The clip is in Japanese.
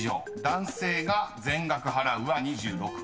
［男性が全額払うは２６％］